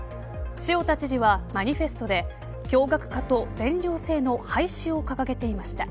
塩田知事はマニフェストで共学化と全寮制の廃止を掲げていました。